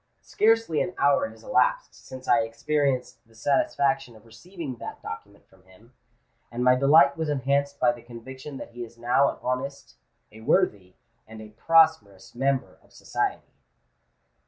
Scarcely an hour has elapsed since I experienced the satisfaction of receiving that document from him; and my delight was enhanced by the conviction that he is now an honest—a worthy—and a prosperous member of society."